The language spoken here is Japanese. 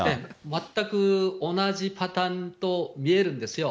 全く同じパターンと見えるんですよ。